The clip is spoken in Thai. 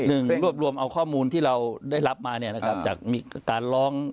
รวบรวมเอาข้อมูลที่เราได้รับมาเนี่ยนะครับจากมีการร้อง